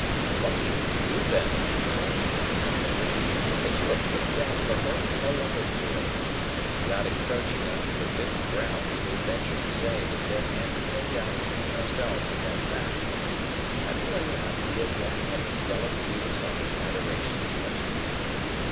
"Lucky for you then, Handel," said Herbert, "that you are picked out for her and allotted to her. Without encroaching on forbidden ground, we may venture to say that there can be no doubt between ourselves of that fact. Have you any idea yet, of Estella's views on the adoration question?"